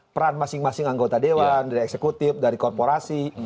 peran masing masing anggota dewan dari eksekutif dari korporasi